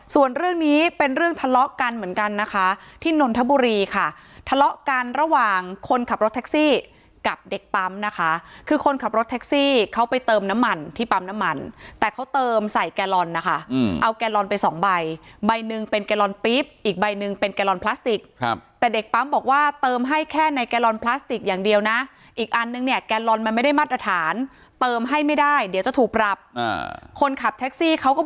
ส่วนเรื่องนี้เป็นเรื่องทะเลาะกันเหมือนกันนะคะที่นนทบุรีค่ะทะเลาะกันระหว่างคนขับรถแท็กซี่กับเด็กปั๊มนะคะคือคนขับรถแท็กซี่เขาไปเติมน้ำมันที่ปั๊มน้ำมันแต่เขาเติมใส่แกลลอนนะคะเอาแกลลอนไปสองใบใบหนึ่งเป็นแกลลอนปี๊บอีกใบหนึ่งเป็นแกลลอนพลาสติกแต่เด็กปั๊มบอกว่าเติมให้แค่ในแกลลอนพลาส